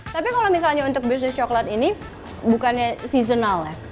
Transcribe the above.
tapi kalau misalnya untuk bisnis coklat ini bukannya seasonal ya